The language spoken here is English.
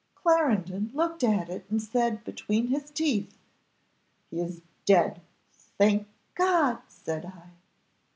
Clarendon looked at it, and said between his teeth. 'He is dead.' 'Thank God!' said I.